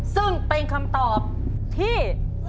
ซึ่งเป็นคำตอบที่